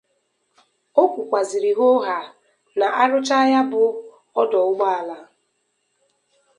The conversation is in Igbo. O kwukwazịrị hoohaa na a rụchaa ya bụ ọdụ ụgbọelu